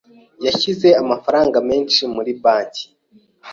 Yashyize amafaranga menshi muri banki.